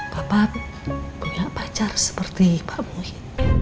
papa punya pacar seperti pak muhin